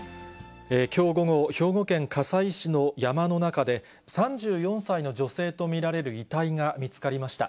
きょう午後、兵庫県加西市の山の中で、３４歳の女性と見られる遺体が見つかりました。